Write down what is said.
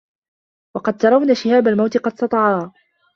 وقد ترون شهاب الموت قد سطعا